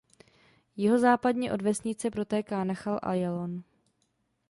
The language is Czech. Jihozápadně od vesnice protéká Nachal Ajalon.